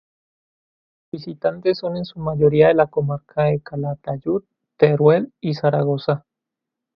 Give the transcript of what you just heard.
Los visitantes son en su mayoría de la comarca de Calatayud, Teruel y Zaragoza.